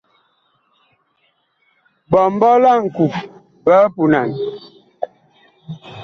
Ɓɔmbɔ la ŋku big punan.